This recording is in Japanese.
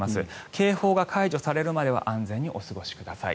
警報が解除されるまでは安全にお過ごしください。